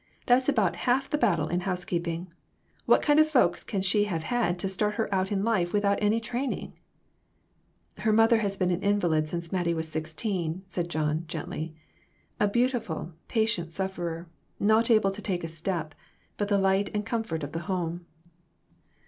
That's about half the battle in housekeeping. What kind of folks can she have had to start her out in life without any training ?" "Her mother has been an invalid since Mattie was sixteen," John said, gently. "A beautiful, patient sufferer ; not able to take a step, but the light and comfort of the home."